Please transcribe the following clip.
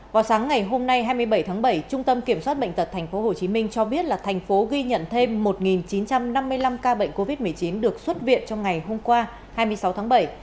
vào sáng ngày hôm nay hai mươi bảy tháng bảy trung tâm kiểm soát bệnh tật tp hcm cho biết là thành phố ghi nhận thêm một chín trăm năm mươi năm ca bệnh covid một mươi chín được xuất viện trong ngày hôm qua hai mươi sáu tháng bảy